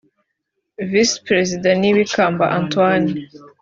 Visi Perezida ni Bikamba Antoine